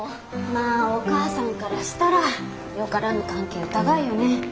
まあお母さんからしたらよからぬ関係疑うよね。